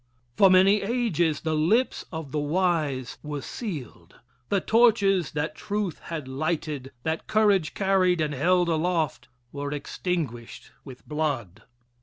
For many ages the lips of the wise were sealed. The torches that truth had lighted, that courage carried and held aloft, were extinguished with blood.